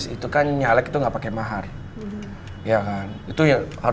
iya aku gak pernah